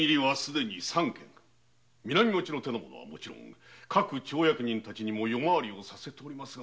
南町奉行所の者はもちろん各町役人にも夜回りをさせておりますが。